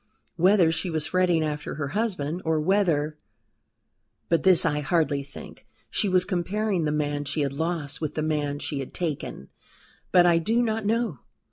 Whether she was fretting after her husband, or whether but this I hardly think she was comparing the man she had lost with the man she had taken but I do not know.